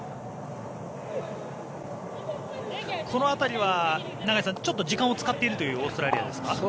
この辺りは永井さんちょっと時間を使っているオーストラリアですか？